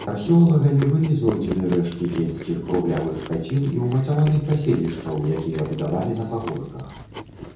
Археолагамі былі знойдзены рэшткі кельцкіх круглявых хацін і ўмацаваных паселішчаў, якія будавалі на пагорках.